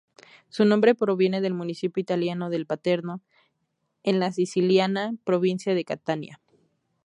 Su nombre proviene del municipio italiano de Paternò, en la siciliana provincia de Catania.